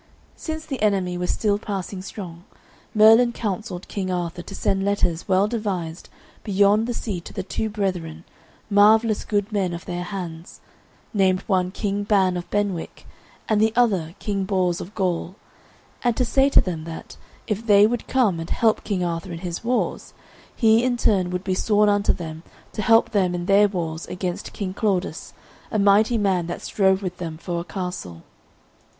Since the enemy were still passing strong, Merlin counselled King Arthur to send letters well devised beyond the sea to the two brethren, marvellous good men of their hands, named one King Ban of Benwick and the other King Bors of Gaul, and to say to them that, if they would come and help King Arthur in his wars, he in turn would be sworn unto them to help them in their wars against King Claudas, a mighty man that strove with them for a castle.